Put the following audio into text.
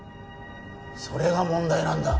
それが問題なんだ！